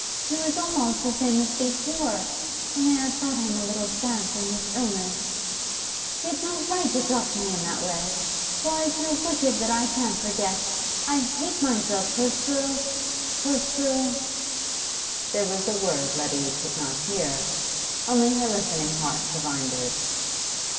He was almost the same as before, only I thought him a little sad from his illness. He had no right to talk to me in that way! Oh, I feel wicked, that I can't forget; I hate myself for still for still ' There was a word Letty could not hear, only her listening heart divined it.